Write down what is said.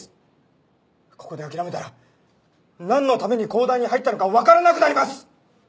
ここで諦めたらなんのために公団に入ったのかわからなくなります！